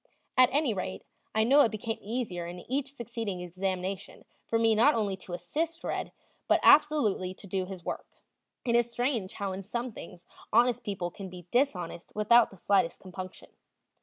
At any rate, I know it became easier in each succeeding examination for me not only to assist "Red," but absolutely to do his work. It is strange how in some things honest people can be dishonest without the slightest compunction.